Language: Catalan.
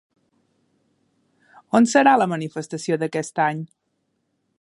On serà la manifestació d'aquest any?